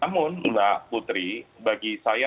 namun mbak putri bagi saya